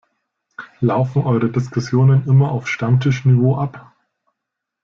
Laufen eure Diskussionen immer auf Stammtischniveau ab?